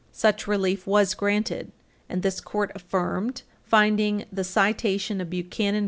Such relief was granted, and this Court affirmed, finding the citation of Buchanan v.